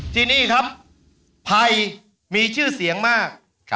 ที่นี่ครับภัยมีชื่อเสียงมาก